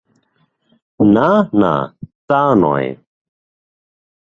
না, না, তা নয়।